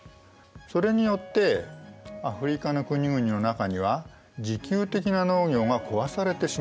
それによってアフリカの国々の中には自給的な農業が壊されてしまった所もあります。